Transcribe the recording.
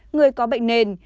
người có bệnh nền